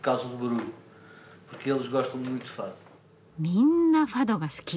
みんなファドが好き。